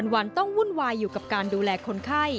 วันต้องวุ่นวายอยู่กับการดูแลคนไข้